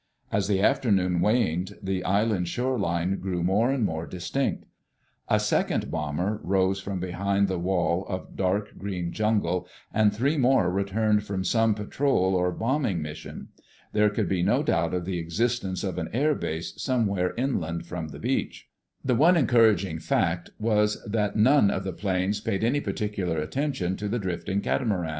As the afternoon waned, the island's shore line grew more and more distinct. A second bomber rose from behind the wall of dark green jungle, and three more returned from some patrol or bombing mission. There could be no doubt of the existence of an air base somewhere inland from the beach. The one encouraging fact was that none of the planes paid any particular attention to the drifting catamaran.